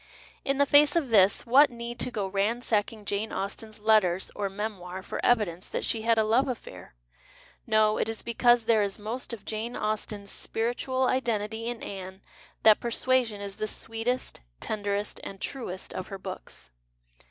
In the face of this, what need to go ransacking Jane Austen's Letters or Memoir for evidence that she had a love affair ? No, it is because there is most of Jane Austen's spiritual 2G2 JANE AUSTEN " identity " in Anne that " Persuasion " is the sweetest, tendercst, and truest of her books.